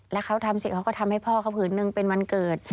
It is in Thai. แล้วเขาทำเสร็จเขาก็ทำให้พ่อเขาผืนนึงเป็นวันเกิด